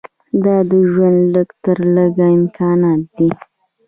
دا د ژوند لږ تر لږه امکانات دي.